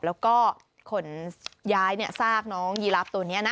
แล้วก็ขนย้ายซากน้องยีรับตัวนี้นะ